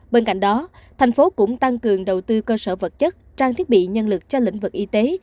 bên cạnh đó thành phố cũng tăng cường đầu tư cơ sở vật chất trang thiết bị nhân lực cho lĩnh vực y tế